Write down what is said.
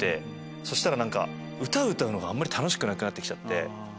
そしたら歌歌うのが楽しくなくなってきちゃって。